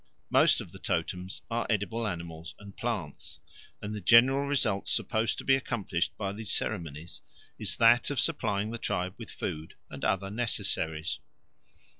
Most of the totems are edible animals and plants, and the general result supposed to be accomplished by these ceremonies is that of supplying the tribe with food and other necessaries.